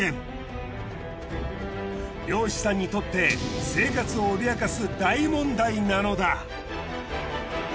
漁師さんにとって生活を脅かす大問題なのだ。